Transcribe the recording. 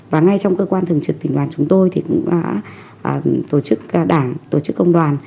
và ngay trong cơ quan thường trực tỉnh đoàn chúng tôi thì cũng đã tổ chức đảng tổ chức công đoàn